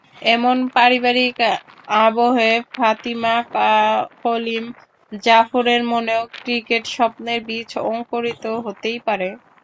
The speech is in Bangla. এমন পারিবারিক আবহে ফাতিমা কলিম জাফরের মনেও ক্রিকেট-স্বপ্নের বীজ অংকুরিত হতেই পারে।